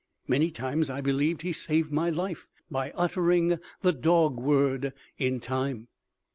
Many times I believed he saved my life by uttering the dog word in time.